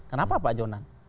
kenapa pak jonan